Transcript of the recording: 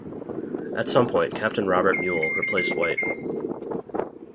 At some point Captain Robert Mule replaced White.